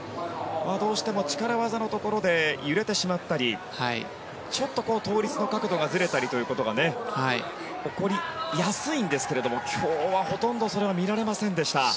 どうしても力技のところで揺れてしまったりちょっと倒立の角度がずれたりというのが起こりやすいんですけれども今日は、ほとんどそれは見られませんでした。